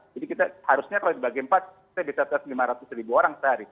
jadi kita harusnya kalau dibagi empat kita bisa test lima ratus ribu orang sehari